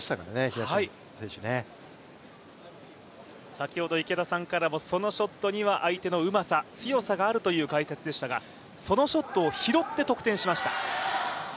先ほど池田さんからも、ショットには相手のうまさ、強さがあるという解説でしたが、そのショットを拾って得点しました。